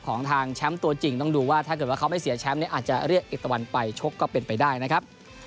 ของทางแชมป์ตัวจริงต้องดูว่าถ้าเกิดว่าเขาไม่เสียแชมป์เนี่ยอาจจะเรียกเอกตะวันไปชกก็เป็นไปได้นะครับ